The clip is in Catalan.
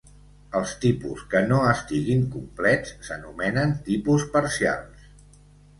Els tipus que no estiguin complets s'anomenen tipus parcials.